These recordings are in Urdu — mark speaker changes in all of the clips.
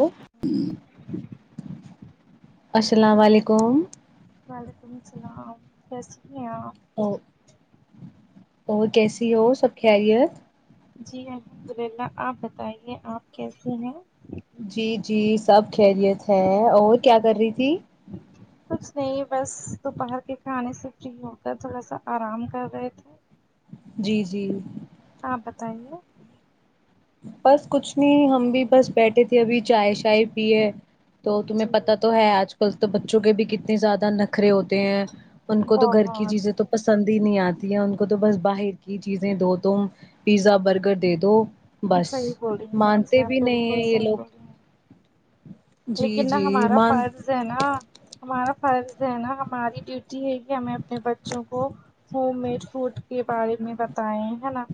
Speaker 1: لو السلام و علیکم
Speaker 2: وعلیکم سلام کیسی ہے آپ
Speaker 1: او اور کیسی ہو سب خریت
Speaker 2: جی الحمد للہ آپ بتائیے آپ کیسی ہیں
Speaker 1: جی جی سب خیریت ہے اور کیا کر رہی تھی
Speaker 2: کچھ نہیں بس دوپہر کے کھانے سے فری ہو کر تھوڑا سا آرام کر رہے تھے
Speaker 1: جی جی
Speaker 2: آپ بتائیے
Speaker 1: بس کچھ نہیں ہم بھی بس بیٹھے تھے ابھی چائے شائے پیے تو تمہیں
Speaker 2: جی
Speaker 1: پتا تو ہے آج کل تو بچوں کے بھی کتنے زیادہ نخرے ہوتے ہیں ان کو تو گھر کی
Speaker 2: بہت
Speaker 1: چیزیں تو پسند ہی نہیں آتی ہے ان کو تو بس باہر کی چیزیں دو تم پیزا برگر دے دو بس
Speaker 2: صحیح بول رہی ہیں باجی
Speaker 1: مانتے
Speaker 2: آپ
Speaker 1: بھی نہیں
Speaker 2: بالکل
Speaker 1: ہیں یہ
Speaker 2: صحیح
Speaker 1: لوگ
Speaker 2: بول رہی ہیں
Speaker 1: جی
Speaker 2: لیکن نا
Speaker 1: جی
Speaker 2: ہمارا
Speaker 1: مان
Speaker 2: فرض ہے نا ہمارا فرض ہے نا ہماری ڈیوٹی ہے کہ ہمیں اپنے بچوں کو ہوم میڈ فوڈ کے بارے میں بتائیں ہے نا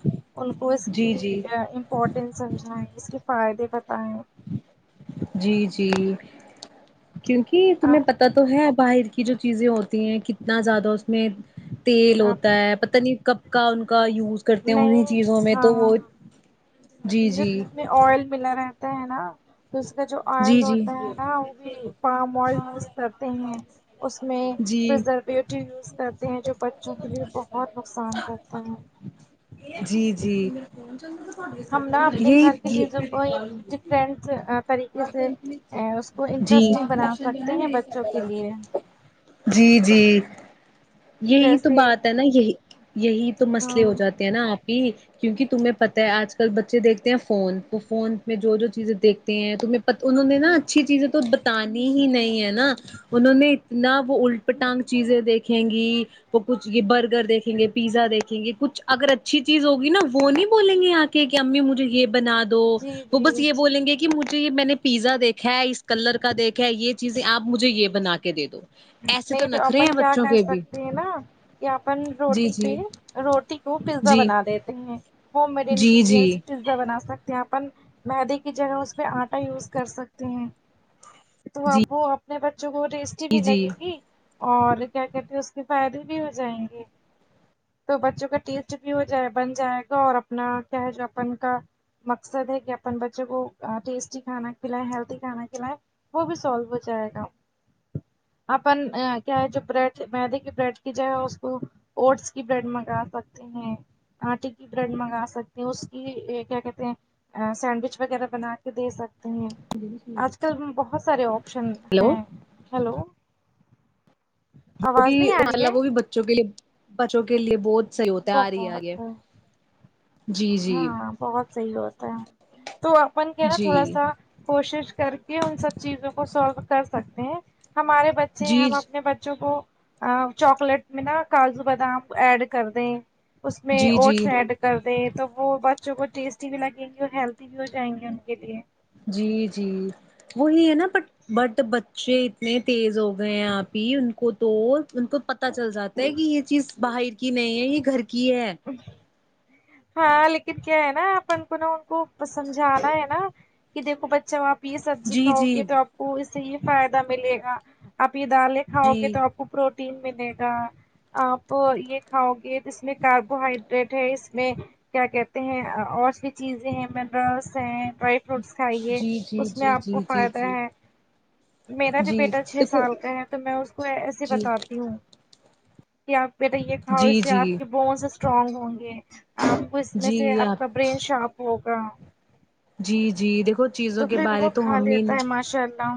Speaker 2: ان کو اس
Speaker 1: جی
Speaker 2: کی
Speaker 1: جی
Speaker 2: امپورٹینس سمجھائیں اس کے فائدے بتائیں
Speaker 1: جی جی کیونکہ تمہیں پتا تو ہے باہر کی کی جو چیزیں ہوتی ہیں کتنا زیادہ اس میں تیل ہوتا ہے پتہ نہیں کب کا ان کا یوز کرتے ہیں
Speaker 2: نہیں
Speaker 1: انہیں چیزوں میں تو
Speaker 2: ہاں
Speaker 1: وہ جی
Speaker 2: جو
Speaker 1: جی
Speaker 2: اس میں آئل ملا رہتا ہے نا تو اس کا جو آئل
Speaker 1: جی جی
Speaker 2: ہوتا ہے نا وہ بھی پام آئل یوز کرتے ہیں اس میں
Speaker 1: جی
Speaker 2: پرزرویٹ یوز کرتے ہیں جو بچوں کے لیے بہت نقصان کرتا ہے
Speaker 1: جی جی
Speaker 2: ہم نہ اپنے گھر کی
Speaker 1: یہی
Speaker 2: چیزوں کو یہ [unintelligible] اس کو
Speaker 1: جی
Speaker 2: انٹرسٹنگ بنا سکتے ہیں بچوں کے لیے
Speaker 1: جی جی یہی تو
Speaker 2: جیسے
Speaker 1: بات ہے نا یہی یہی تو مسئلے ہو جاتے ہے نا آپی کیونکہ تمہیں پتتا ہے آج کل بچے دیکھتے ہیں فون تو فون میں جو جو چیزیں دیکھتے ہیں تمہیں انہوں نے نا اچھی چیزیں تو بتانی ہی نہیں ہے نا انہوں نے اتنا وہ الٹ پٹانگ چیزیں دیکھیں گی وہ کچھ یہ برگر دیکھیں گے پیزا دیکھیں گے کچھ اگر اچھی چیز ہوگی نا وہ نہیں بولیں گے آ کے کہ کے امی مجھے یہ بنا دو
Speaker 2: جی
Speaker 1: وہ
Speaker 2: جی
Speaker 1: بس یہ بولیں گے کہ مجھے یہ میں نے پیزا دیکھا ہے اس کلر کا دیکھا ہے یہ چیزیں آپ مجھے یہ بنا کے دے دو ایسے
Speaker 2: نہیں تو
Speaker 1: نخرے
Speaker 2: اپن
Speaker 1: ہیں
Speaker 2: کیا
Speaker 1: بچوں
Speaker 2: کر
Speaker 1: کے بھی
Speaker 2: سکتے ہیں نا یہ اپن
Speaker 1: جی
Speaker 2: روٹی پہ
Speaker 1: جی
Speaker 2: روٹی کو پیزا
Speaker 1: جی
Speaker 2: بنا دیتے ہیں ہوم میڈ
Speaker 1: جی
Speaker 2: انگریڈنز
Speaker 1: جی
Speaker 2: پیزا بنا سکتے ہیں اپن مدی کی جگہ اس میں آٹا یوز کر سکتے ہیں تو اب وہ اپنے بچوں کو ٹیسٹی
Speaker 1: جی
Speaker 2: بھی لگ
Speaker 1: جی
Speaker 2: اور کیا کہتے اس کے فائدے بھی ہو جائیں گے تو بچوں کا ٹیچٹ بھی ہو جائے بن جائے گا اور اپنا کیا ہے جو اپن کا مقصد ہے کہ اپنے بچوں کو ٹیسٹی کھانا کھلائے ہیلتھے کھانا کھلائیں وہ بھی سولو ہو جائے گا اپن کیا ہے جو بریڈ مدے کی بریڈ کی جائے اس کو اوٹس کی بریڈ منگا سکتے ہیں آٹے کی بریڈ منگا سکتے ہیں اس کی یہ کیا کہتے ہیں سینڈوچ وغیرہ بنا ک دے سکتے ہیں اج کل بہت سارے آپشن
Speaker 1: ہلو
Speaker 2: ہیں
Speaker 1: وہ
Speaker 2: ہلو
Speaker 1: وہ بھی
Speaker 2: آ
Speaker 1: مشا
Speaker 2: رہی ہے
Speaker 1: اللہ وہ بھی بچوں کے لیے بچوں کے لیے بہت صحیح ہوتا آرہی ہے آگے
Speaker 2: بہت
Speaker 1: جی جی
Speaker 2: ہاں بہت صحیح ہوتا ہے تو اپن کیا ہیں نا
Speaker 1: جی
Speaker 2: تھوڑا سا کوشش کر کے ان سب چیزوں کو سولو کر سکتے ہیں ہمارے بچ ے
Speaker 1: جی
Speaker 2: ہم اپنے بچوں کو چاکلیٹ میں نا کاجو بادام ایڈ کر دیں اس میں
Speaker 1: جی جی
Speaker 2: واٹس ایڈ کر دیں تو وہ بچوں کو ٹیسٹی بھی لگیں گی اور ہیلدی بھی ہو جائیں گے ان کے لیے
Speaker 1: جی جی وہی ہے نا بٹ بٹ بچے اتنے تیز ہو گۓ ہیں آپی ان کو تو ان کو پتہ چل جاتا ہے کہ یہ چیز باہر کی نہیں ہے یہ گھر کی ہے
Speaker 2: امہ ہاں لیکن کیا ہے نا اپن کو نا ان کو سمجھانا ہے نا کہ دیکھو بچو آپ یہ سبزی
Speaker 1: جی
Speaker 2: کھاؤ
Speaker 1: جی
Speaker 2: گے تو آپ کو اس سے یہ فائدہ ملے گا آپ یہ دالیں کھاؤ گے
Speaker 1: جی
Speaker 2: تو آپ کو پروٹین ملے گا آپ یہ کھاؤ گے اسمے کاربوہائڈریٹ ہے اس میں کیا کہتے ہیں اور سی چیزیں ہیں منرلس ہیں ڈرئی فروٹس کھائیے
Speaker 1: جی جی جی
Speaker 2: اس میں
Speaker 1: جی
Speaker 2: اپ کو
Speaker 1: جی
Speaker 2: فائدہ
Speaker 1: جی
Speaker 2: ہے میرا بھی
Speaker 1: جی
Speaker 2: بیٹا چھ
Speaker 1: دیکھو
Speaker 2: سال کا ہے تو میں اس کو ایسے
Speaker 1: جی
Speaker 2: بتاتی ہوں کہ آپ بیٹا یہ کھاؤ
Speaker 1: جی
Speaker 2: اس سے آپ
Speaker 1: جی
Speaker 2: کے بونس اسٹرانگ ہوں گے وہ اس میں سے آپ کا برین شارپ ہوگا
Speaker 1: جی جی دیکھو چیزوں کے بارے تو ہم نے انھے
Speaker 2: ماشاءللہ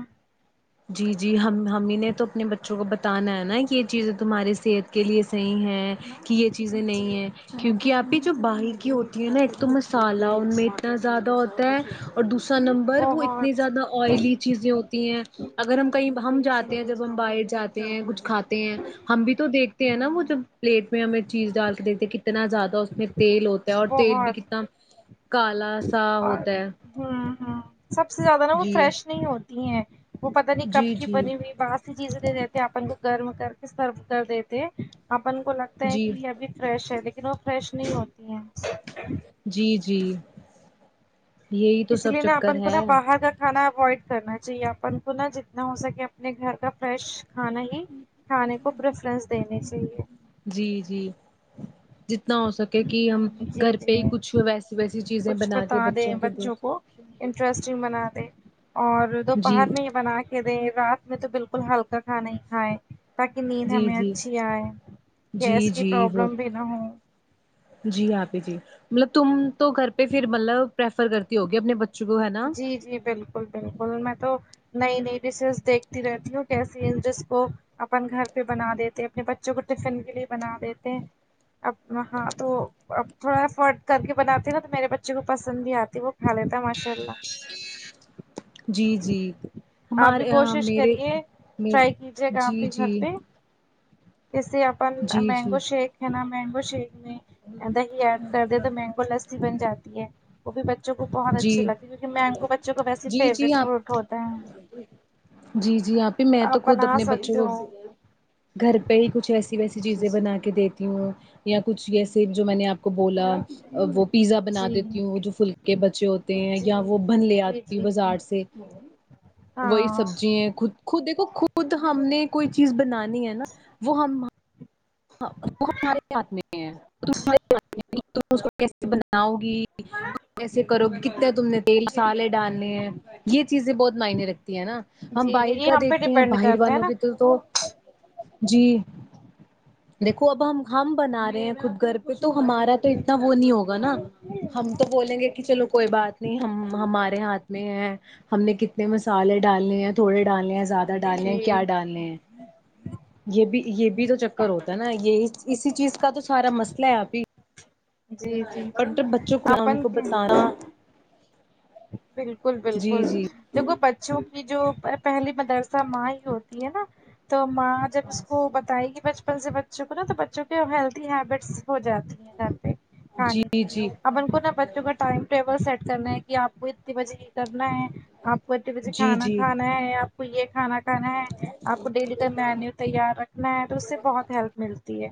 Speaker 1: جی جی ہم ہم ہی نے تو اپنے بچوں کو بت انا ہے نا کہ یہ چیزیں تمہاری صحت کے لیے صحیح ہیں کہ یہ
Speaker 2: جی
Speaker 1: چیزیں نہیں
Speaker 2: جی
Speaker 1: ہیں کیونکہ آپی جو بہار کی ہوتی ہے نا ایک تو م سالہ ان میں اتنا زیادہ ہوتا ہے اور دوسرا نمبر وہ اتنے
Speaker 2: بہت
Speaker 1: زیادہ آئلی چیزیں ہوتی ہیں اگر ہم کہیں ہم جاتے ہیں جب ہم باہر جاتے ہیں کچھ کھاتے ہیں ہم بھی تو دیکھتے ہیں نا وہ جب پلیٹ میں ہمیں چیز ڈال کے دیتے کتنا زیادہ اس میں تیل ہوتا ہے اور تیل بھی
Speaker 2: بہت
Speaker 1: کتنا کالا سا
Speaker 2: اور
Speaker 1: ہوتا ہے
Speaker 2: ہوں ہوں سب سے زیادہ نا وہ
Speaker 1: جی
Speaker 2: فریش نہیں ہوتی ہیں وہ پتہ نہیں کب
Speaker 1: جی
Speaker 2: کی
Speaker 1: جی
Speaker 2: بنی ہوئی با سی چیزیں دے دیتے اپن کو گرم کر کے سرو کر دیتے ہیں اپن کو لگ تا ہے کہ
Speaker 1: جی
Speaker 2: یہ ابھی فریش ہے لیکن وہ فریش نہیں ہوتی ہیں
Speaker 1: جی جی یہی تو
Speaker 2: اس
Speaker 1: سب
Speaker 2: لیے نا
Speaker 1: چکر
Speaker 2: اپن کو نا
Speaker 1: ہے
Speaker 2: باہر کا کھانا اوائڈ کرنا چاہیے اپن کو نا جتنا ہو سکے اپنے گھر کا فریش کھانا ہی کھانے کو پریفرنس دینی چاہیے
Speaker 1: جی جی جتنا ہو سک کیونکہ ہم
Speaker 2: جی
Speaker 1: گھر پہ
Speaker 2: جی
Speaker 1: ہی کچھ ویسی ویسی چیزیں
Speaker 2: کچھ
Speaker 1: بنا کے
Speaker 2: بتا دیں
Speaker 1: بچوں کے دے
Speaker 2: کو انٹرسٹنگ بنا دے اور
Speaker 1: جی
Speaker 2: دوپہر میں یہ بنا کے کہ رہے رات میں تو بالکل ہلکا کھانا ہی کھائے تاکہ نیند
Speaker 1: جی
Speaker 2: ہمیں
Speaker 1: جی
Speaker 2: اچھی آئے
Speaker 1: جی
Speaker 2: گیس کی
Speaker 1: جی وہ
Speaker 2: پرابلم بھی نہ ہو
Speaker 1: جی آپی جی مطلب تم تو گھر پہ پھر مطلب پرریفر کرتی ہوگی اپنے ب
Speaker 2: جی جی بالکل بالکل میں تو نئی نئی ڈشز دیکھتی رہتی ہوں کیسی ہیں جس کو اپن گھر پہ بنا دیتے اپنے بچوں کو ٹفن کے لیے بنا دیتے اب وہاں تو اب تھوڑا افرٹ کر کے بناتی نا تو میرے بچے کو پسند بھی آتی ہے وہ کھا لیتا ہے ماشاء اللہ
Speaker 1: جی جی
Speaker 2: آپ بھی
Speaker 1: ہمارے
Speaker 2: کوشش
Speaker 1: میرے
Speaker 2: کریے
Speaker 1: م
Speaker 2: ٹرائی کیجے گا آپ
Speaker 1: جی
Speaker 2: بھی گھر
Speaker 1: جی
Speaker 2: پہ جسے اپن
Speaker 1: جی جی
Speaker 2: مینگو شیک ہے نا مینگو شیک دہی ایڈ کر دے تو مینگو لسی بن جاتی ہے وہ بھی بچوں کو بہت اچھی
Speaker 1: جی
Speaker 2: لگ مینگو بچوں کو ویسے
Speaker 1: جی جی
Speaker 2: فیوریٹ
Speaker 1: آپ
Speaker 2: فروٹ ہوتا ہیں
Speaker 1: جی جی آپی میں تو خود
Speaker 2: بنا
Speaker 1: اپنے بچوں
Speaker 2: سکتے
Speaker 1: کو
Speaker 2: ہو
Speaker 1: گھر پہ ہی کچھ ایسی ویسی چیزیں بنا کے دیتی ہوں یا کچھ اییسے جو میں نے آپ کو بولا وہ پیزا بنا
Speaker 2: جی
Speaker 1: دیتی ہوں جو فلک کے بچے ہوتے ہیں
Speaker 2: جی
Speaker 1: یا وہ بن لے
Speaker 2: جی جی
Speaker 1: آتی
Speaker 2: جی جی
Speaker 1: بازار سے وہی
Speaker 2: ہاں
Speaker 1: سبزی خود خود دیکھو خود ہم نے کوئی چیز بنانی ہے نا وہ ہم وہ ہمارے ہاتھ میں ہےا [inaudible] اس کو کیسے بناؤ گی کیسے کرو گی کتنے تم نے تیل مسالے ڈالنے ہیں یہ چیزیں بہت معنے رکھتی ہیں نا ہم
Speaker 2: جی جی
Speaker 1: باہر
Speaker 2: یہ
Speaker 1: کا
Speaker 2: ہم پہ
Speaker 1: دیکھتے ہیں
Speaker 2: ڈیپینڈ
Speaker 1: باہر
Speaker 2: کرتے ہیں
Speaker 1: والوں
Speaker 2: نا
Speaker 1: کی تو تو جی دیکھو اب ہم ہم بنا رہے ہیں خود گھر تو ہمارا تو اتنا وہ نہیں ہوگا نا ہم تو بولیں گے کہ چلو کوئی بات ہم ہمارے ہاتھ میں ہیں ہم نے کتنے مسالے ڈالنے ہیں تھوڑے ڈالنے ہیں زیادہ ڈالنے ہیں
Speaker 2: جی
Speaker 1: کیا ڈالنے ہیں یہ بھی یہ بھی تو چ کر ہوتا نا یہ اسی چیز کا تو سارا مسئلہ ہے آپی
Speaker 2: جی جی جی
Speaker 1: اورٹر بچوں کو ان کو
Speaker 2: اپن
Speaker 1: بتانا
Speaker 2: بالکل بالکل
Speaker 1: جی جی
Speaker 2: دیکھو بچوں کی جو پہلی مدرسہ ماں ہی ہوتی ہے نا تو ماں جب اس کو بتائے گی بچپن سے بچوں کو نا تو بچوں کے ہیلدی ہیبٹس ہو جاتی ہیں گھر پہ
Speaker 1: جی
Speaker 2: کھانے کی
Speaker 1: جی
Speaker 2: اپن کو نا بچوں کا ٹائم ٹیبل سیٹ کرنا ہے کہ آپ کو اتنی بجے یہ کرنا ہے آپ کو اتنے بجے
Speaker 1: جی
Speaker 2: کھانا
Speaker 1: جی
Speaker 2: کھانا ہے آپ کو یہ کھانا کھانا ہے آپ کو ڈیلی کا مینیو تیار رکھنا ہے تو اس سے بہت ہیلپ ملتی ہے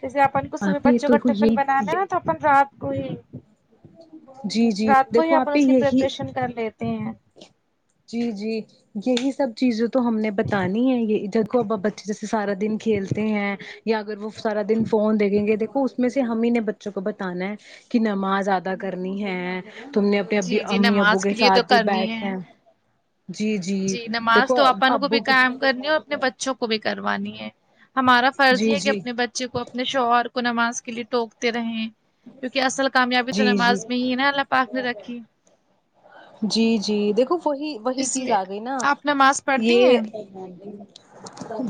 Speaker 2: جیسے اپن کو صبح
Speaker 1: آپ ہی
Speaker 2: بچوں کا
Speaker 1: دیکھو
Speaker 2: ٹفن بنانا
Speaker 1: یہی
Speaker 2: ہے تو اپن رات کو ہی
Speaker 1: جی جی
Speaker 2: رات کو ہی
Speaker 1: دیکھو
Speaker 2: اپن
Speaker 1: آپی
Speaker 2: اس کی
Speaker 1: یہی
Speaker 2: پریپریشن کر لیتے ہیں
Speaker 1: جی جی یہی سب چیزیں تو ہم نے بتانی ہے یہ ادھر کو اب ا بچے جیسے سارا دن کھیلتے ہیں یا اگر وہ سارا دن فون دیکھیں گے دیکھو اس میں ہم ہی نے بچوں کو بتانا ہے کہ نماز ادا کرنی ہے تم نے اپنے اب
Speaker 2: جی جی
Speaker 1: امی ابو
Speaker 2: نماز
Speaker 1: کے
Speaker 2: لیے تو
Speaker 1: ساتھ بھی
Speaker 2: کرنی ہے
Speaker 1: بیٹھے جی جی
Speaker 2: جی نماز
Speaker 1: دیکھو
Speaker 2: تو اپن کوبھی
Speaker 1: ابو کے
Speaker 2: قائم کرنی ہو اور اپنے بچے بچوں کو بھی کروانی ہے ہمارا فرض
Speaker 1: جی
Speaker 2: یہ ہے کہ
Speaker 1: جی
Speaker 2: اپنے بچ بچے کو اپنے شوہر کو نماز کے لیے ٹوکتے رہے کیونکہ اصل کامیابی تو
Speaker 1: جی جی
Speaker 2: نماز میں ہی نا اللہ پاک نے رکھی
Speaker 1: جی جی دیکھو وہی وہی
Speaker 2: اس
Speaker 1: چیز
Speaker 2: لیے
Speaker 1: آ گئی نا
Speaker 2: آپ نماز پڑھتی
Speaker 1: یہ
Speaker 2: ہیں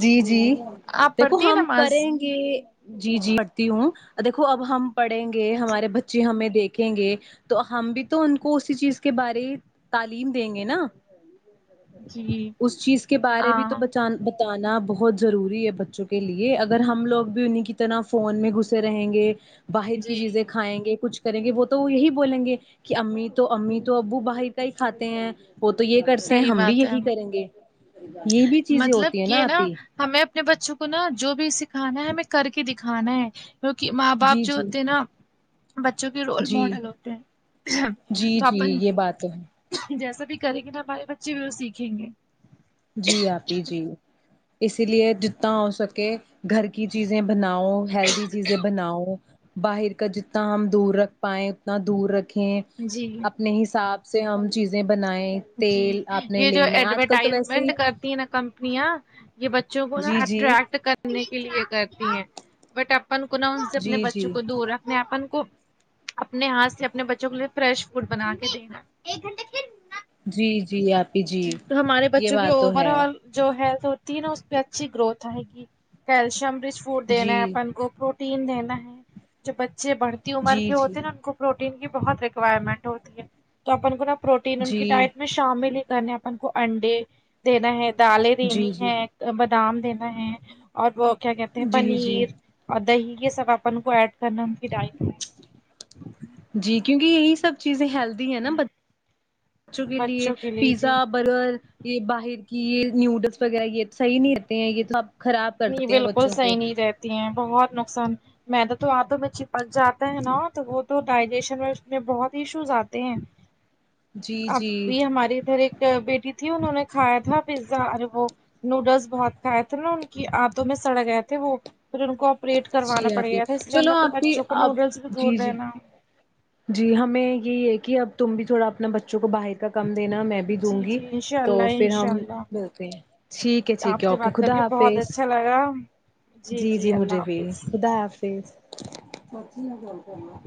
Speaker 1: جی جی
Speaker 2: آپ
Speaker 1: دیکھو
Speaker 2: پڑھتی ہیں
Speaker 1: ہم
Speaker 2: نماز
Speaker 1: کریں جی جی پڑھتی ہوں دیکھو اب ہم پڑھیں گے
Speaker 2: جی
Speaker 1: ہمارے بچ چے ہمیں دیکھیں گے تو ہم بھی تو ان کو اسی چیز کے بارے تعلیم دیں گے نا
Speaker 2: جی
Speaker 1: اس چیز کے بارے تو
Speaker 2: ہاں
Speaker 1: بچان ب تانہ بہت ضروری ہے بچوں کے لیے اگر ہم لوگ بھی انہی کی طرح فون میں گھسے رہیں گے باہر کی
Speaker 2: جی
Speaker 1: چیزیں کھائیں گے کچھ کریں گے وہ تو وہ یہی بولیں گے کہ امی تو امی تو ابو باہر کا ہی کھاتے ہیں وہ تو یہ کرتے ہیں
Speaker 2: صحیح
Speaker 1: ہم بھی
Speaker 2: بات ہے
Speaker 1: یہی کریں گے یہ بھی چیزیں
Speaker 2: مطلب
Speaker 1: ہوتی ہیں نا
Speaker 2: یہ
Speaker 1: آپی
Speaker 2: ہمیں اپنے بچوں کو نا جو بھی سکھانا ہے ہمیں کر کے دکھانا ہے کیونکہ ماں باپ
Speaker 1: جی
Speaker 2: جو
Speaker 1: جی
Speaker 2: ہوتے ہیں نا بچوں کے رول
Speaker 1: جی
Speaker 2: ماڈل ہوتے ہیں
Speaker 1: جی
Speaker 2: تو
Speaker 1: جی
Speaker 2: اپن
Speaker 1: یہ بات تو ہے
Speaker 2: جیسا بھی کریں گے نا ہمارے بچے بھی وہ سیکھیں گے
Speaker 1: جی آپی جی اسی لیے جتنا ہو سکے گھر کی چیزیں بناؤ ہیلدی چیزیں بناؤ باہر کا جتنا ہم دور رکھ پائیں اتنا دور رکھیں
Speaker 2: جی
Speaker 1: اپنے حساب سے ہم چیزیں بنائیں
Speaker 2: جی
Speaker 1: تیل آپ نے
Speaker 2: یہ جو
Speaker 1: لینا ہے آج کل تو
Speaker 2: ایڈورٹائز
Speaker 1: ویسے
Speaker 2: وینٹ
Speaker 1: ہی
Speaker 2: کرتی ہیں نا کمپنیاں یہ بچوں کو
Speaker 1: جی جی
Speaker 2: اٹریکٹ کر تی کرنے کے لیے کرتی ہیں بٹ اپن کو نہ ان سے اپنے
Speaker 1: جی جی
Speaker 2: بچوں کو دور رکھ اپنے اپن کو اپنے ہاتھ سے اپنے بچوں کے لیے فریش فوڈ بنا کے دینا ایک گھنٹ
Speaker 1: جی جی آپی جی
Speaker 2: ہمارے
Speaker 1: یہ
Speaker 2: بچوں کی
Speaker 1: بات تو
Speaker 2: اوور
Speaker 1: ہے
Speaker 2: آل جو ہیلتھ ہوتی ہے نا اس پہ اچھی گروتھ آئے گی کیلشیم رچ فوڈ دینا ہے
Speaker 1: جی
Speaker 2: اپن کو تین لینا ہے جو بچے بڑھتی عمر
Speaker 1: جی
Speaker 2: کے
Speaker 1: جی
Speaker 2: ہوتے ہیں نا ان کو پروٹین کی بہت ریکوائرمنٹ ہوتی ہے تو اپن کو نا پروٹین ان کی
Speaker 1: جی
Speaker 2: ڈائٹ میں شامل ہی کرنے اپن کو انڈے دینا ہے دالیں
Speaker 1: جی
Speaker 2: دینی
Speaker 1: جی
Speaker 2: ہے بادام دینا ہے اور وہ کیا کہتے ہیں
Speaker 1: جی جی
Speaker 2: پنیر اور دہی یہ سب اپن کو ایڈ کرنا ان کی ڈالامیں
Speaker 1: جی کیونکہ یہی سب چیزیں ہیلدی ہے نا بچوں کے لیے
Speaker 2: بچوں کے جی
Speaker 1: پیزا برگر یہ باہر کی یہ نوڈلز وغیرہ یہ صحیح نہیں رہتے ہیں یہ تو آپ خراب کر
Speaker 2: نہیں
Speaker 1: دیتے ہیں
Speaker 2: بالکل
Speaker 1: بچوں کو
Speaker 2: صحیح نہیں رہتی ہیں بہت نقصان میدا تو ہاتھوں میں چپک جاتا ہے نا تو وہ تو ڈائجیشن میں اس میں بہت ہی ایشوز آتے ہیں
Speaker 1: [inaudible]
Speaker 2: اب
Speaker 1: جی
Speaker 2: بھی ہمارے ادھر ایک بیٹی تھی انہوں نے کھایا تھا پیزا اور وہ نوڈلز بہت کھایا تھا نا کی آنتوں میں سڑ گئے تھے وہ پھر ان کو پریٹ کروانا
Speaker 1: جی
Speaker 2: پڑ
Speaker 1: آپی
Speaker 2: گیا تھا اس لیے ہم
Speaker 1: چلو
Speaker 2: نے اپنے
Speaker 1: آپی
Speaker 2: بچوں کو
Speaker 1: آپ
Speaker 2: نوڈلس بھی دور
Speaker 1: جی جی
Speaker 2: رہنا
Speaker 1: جی ہمیں یہی ہے کہ اب تم بھی تھوڑا اپنا بچوں کو باہر کا کم دینا میں بھی دوں
Speaker 2: جی
Speaker 1: گی
Speaker 2: جی انشاء
Speaker 1: تو
Speaker 2: اللہ
Speaker 1: پھر
Speaker 2: انشاء
Speaker 1: ہم
Speaker 2: اللہ
Speaker 1: ملتے ہیں ٹھیک ٹھیک ہے ٹھیک
Speaker 2: آپ
Speaker 1: ہے
Speaker 2: سے
Speaker 1: اوکے
Speaker 2: بات کر
Speaker 1: خدا
Speaker 2: کے بہت
Speaker 1: حافظ
Speaker 2: اچھا لگا
Speaker 1: جی جی مجھے بھی خدا حافظ سچی میں کون کرا